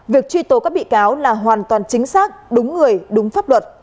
việc truy tố các bị cáo là hoàn toàn chính xác đúng người đúng pháp luật